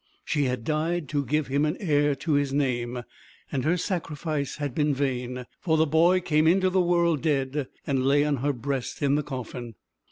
She had died to give him an heir to his name, and her sacrifice had been vain, for the boy came into the world dead, and lay on her breast in the coffin.